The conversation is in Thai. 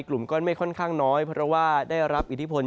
กลุ่มก้อนเมฆค่อนข้างน้อยเพราะว่าได้รับอิทธิพล